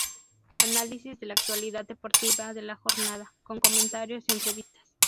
Análisis de la actualidad deportiva de la jornada, con comentarios y entrevistas.